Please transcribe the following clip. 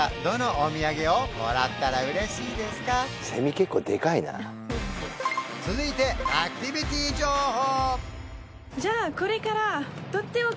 結構でかいな続いてアクティビティ情報！